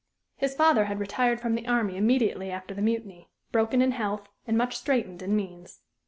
His father had retired from the army immediately after the Mutiny, broken in health, and much straitened in means.